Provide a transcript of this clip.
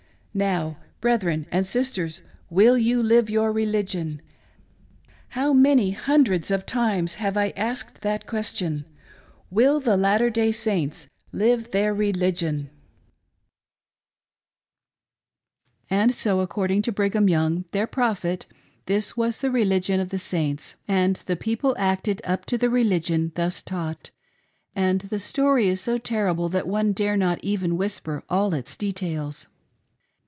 " Now, brethren and sisters, will you live your religion ? How many hundreds of times have I asked that question ? Will the Latter Day Saints live their religion ?" And SO, according to Brigham Young, their Prophet, this was the religion of the Saints ! And the people acted up to the " religion " thus taught : and the story is so terrible that one dare not even whisper all its details.